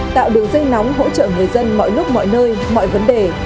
tạo đường dây nóng hỗ trợ người dân mọi lúc mọi nơi mọi vấn đề